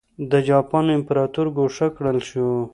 د جاپان امپراتور ګوښه کړل شو.